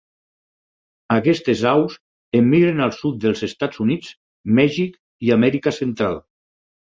Aquestes aus emigren al sud dels Estats Units, Mèxic i Amèrica Central.